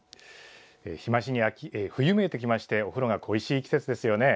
日増しに冬めいてきてお風呂が恋しい季節ですよね。